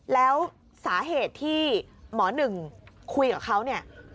แล้วสาเหตุที่หมอหนึ่งคุยกับเขาเนี่ย